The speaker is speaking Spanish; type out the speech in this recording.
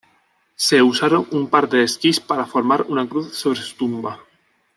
Se usaron un par de esquís para formar una cruz sobre su tumba.